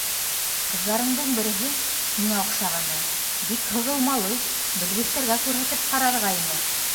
Ҡыҙҙарыңдың береһе, һиңә оҡшағаны, бик һығылмалы, белгестәргә күрһәтеп ҡарарға ине!